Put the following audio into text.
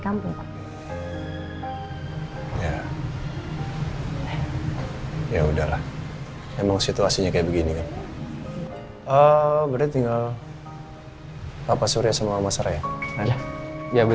kampung ya ya udahlah emang situasinya kayak begini